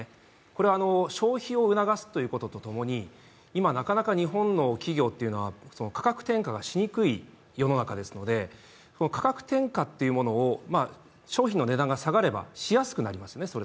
これは消費を促すということと共に、今、なかなか日本の企業というのは価格転嫁がしにくい世の中ですので、価格転嫁というものを商品の値段が下がれば、それだけしやすくなりますよね。